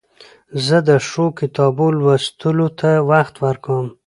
زه د ښو کتابو لوستلو ته وخت ورکوم.